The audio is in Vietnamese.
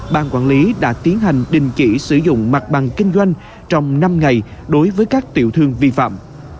ban quản lý đã tiến hành đình chỉ sử dụng mặt bằng kinh doanh trong năm ngày đối với các tiểu thương vi phạm